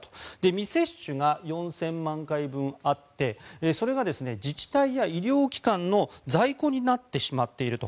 未接種が４０００万回分あってそれが自治体や医療機関の在庫になってしまっていると。